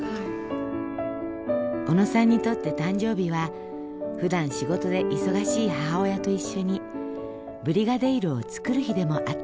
小野さんにとって誕生日はふだん仕事で忙しい母親と一緒にブリガデイロを作る日でもあったのです。